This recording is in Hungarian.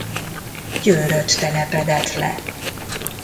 Győrött telepedett le.